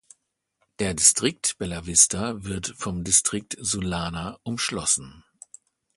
Der Distrikt Bellavista wird vom Distrikt Sullana umschlossen.